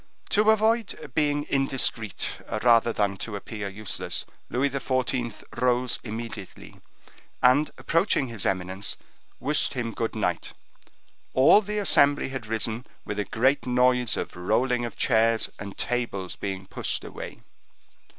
To avoid being indiscreet, rather than to appear useless, Louis XIV. rose immediately, and approaching his eminence, wished him good night. All the assembly had risen with a great noise of rolling of chairs and tables being pushed away.